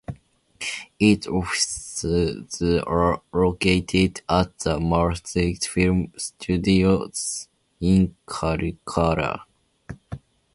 Its offices are located at the Malta Film Studios in Kalkara.